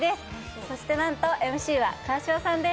そしてなんとＭＣは川島さんです。